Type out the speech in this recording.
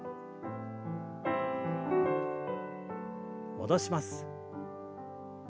戻します。